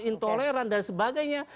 intoleran dan sebagainya